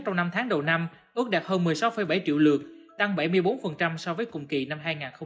trong năm tháng đầu năm ước đạt hơn một mươi sáu bảy triệu lượt tăng bảy mươi bốn so với cùng kỳ năm hai nghìn một mươi tám